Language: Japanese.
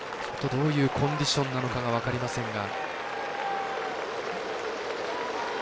どういうコンディションなのかが分かりませんが。